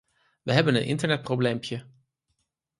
We hebben een internetprobleempje.